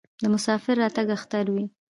د مسافر راتګ اختر وي.